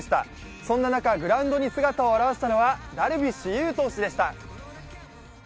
そんな中、グラウンドに姿を現したのはダルビッシュ有投手でした。